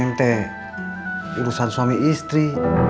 ini urusan suami istri